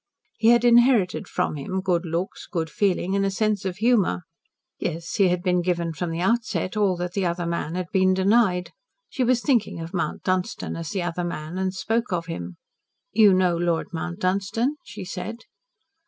He had inherited from him good looks, good feeling, and a sense of humour. Yes, he had been given from the outset all that the other man had been denied. She was thinking of Mount Dunstan as "the other man," and spoke of him. "You know Lord Mount Dunstan?" she said.